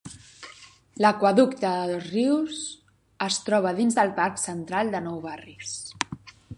L'Aqüeducte de Dosrius es troba dins del Parc Central de Nou Barris.